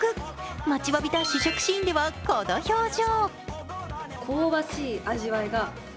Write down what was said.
待ちわびた試食シーンではこの表情。